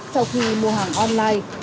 sau khi mua hàng online